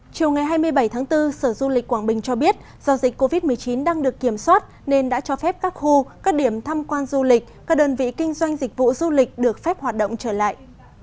chiều ngày hai mươi bảy tháng bốn sở du lịch quảng bình cho biết do dịch covid một mươi chín đang được kiểm soát nên đã cho phép các khu các điểm thăm quan du lịch các đơn vị kinh doanh dịch vụ du lịch được phép hoạt động trở lại